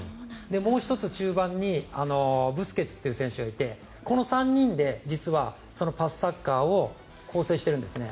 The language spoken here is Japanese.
もう１つ、中盤にブスケツという選手がいてこの３人で実はパスサッカーを構成しているんですね。